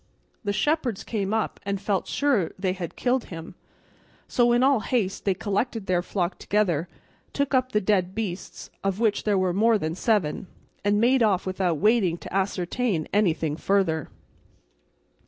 The shepherds came up, and felt sure they had killed him; so in all haste they collected their flock together, took up the dead beasts, of which there were more than seven, and made off without waiting to ascertain anything further.